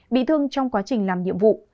bị thương trong quá trình làm nhiệm vụ